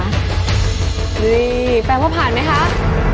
นี่แปลว่าผ่านมั้ยคะ